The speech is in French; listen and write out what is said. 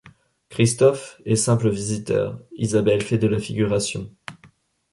Christophe est simple visiteur, Isabelle fait de la figuration..